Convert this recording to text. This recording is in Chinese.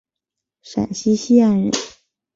陕西西安人。